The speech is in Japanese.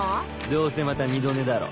どうせまた二度寝だろ？